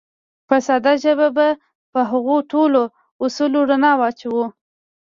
په ساده ژبه به په هغو ټولو اصولو رڼا واچوو.